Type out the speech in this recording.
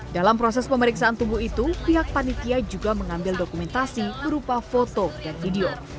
dalam proses pemeriksaan tubuh itu pihak panitia juga mengambil dokumentasi berupa foto dan video